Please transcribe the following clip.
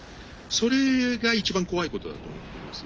それが一番怖いことだと思います。